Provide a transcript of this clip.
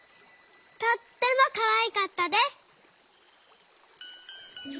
とってもかわいかったです」。